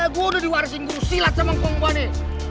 gue udah diwarisi ngurus silat sama pengemba ini